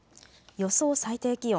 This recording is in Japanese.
予想最低気温。